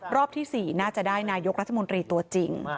รอบที่๔น่าจะได้นายกรัฐมนตรีตัวจริง